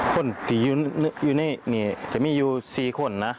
คนที่อยู่นี่จะมีอยู่๔คนนะ